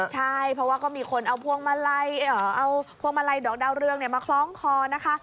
ใช่เพราะว่าก็มีคนเอาพวงมาลัยดอกเดาเรืองมาคล้องคอนะคะ